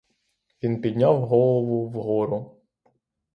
Він підняв голову вгору.